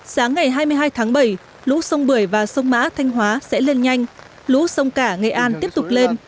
sáng ngày hai mươi hai tháng bảy lũ sông bưởi và sông mã thanh hóa sẽ lên nhanh lũ sông cả nghệ an tiếp tục lên